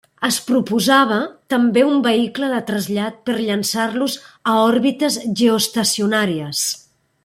Es proposava també un vehicle de trasllat per llançar-los a òrbites geoestacionàries.